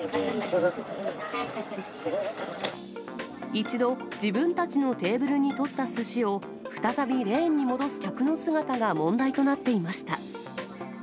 一度、自分たちのテーブルに取ったすしを、再びレーンに戻す客の姿が問題となっていました。